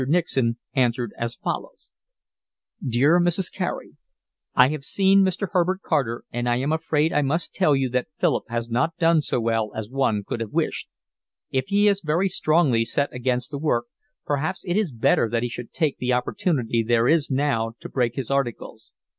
Nixon answered as follows: Dear Mrs. Carey, I have seen Mr. Herbert Carter, and I am afraid I must tell you that Philip has not done so well as one could have wished. If he is very strongly set against the work, perhaps it is better that he should take the opportunity there is now to break his articles.